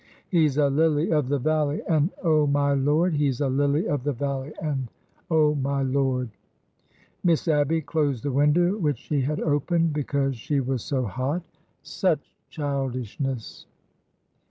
He 's a lily of the valley. An' oh, my Lord ! He 's a lily of the valley. An' oh, my Lord !" Miss Abby closed the window which she had opened because she was so hot. Such childishness